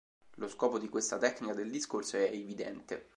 Lo scopo di questa tecnica del discorso è evidente.